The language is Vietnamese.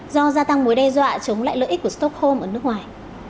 do gia tăng mối đe dọa chống lại lợi ích của stockholm ở nước ngoài